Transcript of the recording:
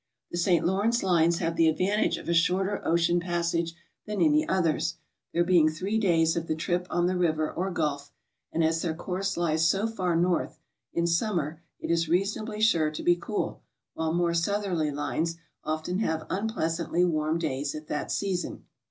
The St. Lawrence lines have the advantage of a sihorter ocean passage than any others, there being three days of the trip on the river or gulf; and as their course lies so far north, in summer it is reasonably sure to be cool, while more south erly lines often have unpleasantly warm days at that season.